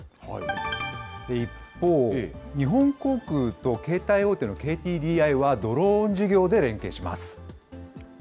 一方、日本航空と携帯大手のＫＤＤＩはドローン事業で連携します。